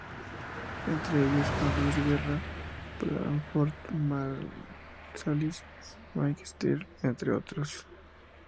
Entre ellos: Juan Luis Guerra, Branford Marsalis, Mike Stern, entre otros.